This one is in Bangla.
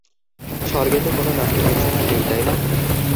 স্বর্গে তো কোনও নাস্তিকের স্থান নেই, তাই না?